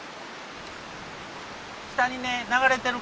下にね流れてる川はね